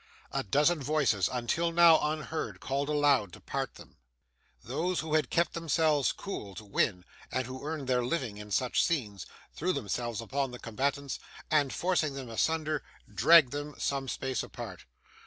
A dozen voices, until now unheard, called aloud to part them. Those who had kept themselves cool, to win, and who earned their living in such scenes, threw themselves upon the combatants, and, forcing them asunder, dragged them some space apart.